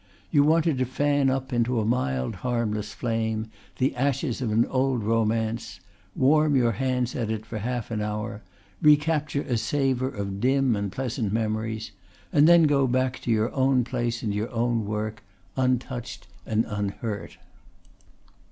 You wanted to fan up into a mild harmless flame the ashes of an old romance, warm your hands at it for half an hour, recapture a savour of dim and pleasant memories and then go back to your own place and your own work, untouched and unhurt."